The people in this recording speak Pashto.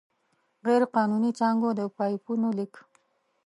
غیرقانوني څاګانو، د پایپونو لیک.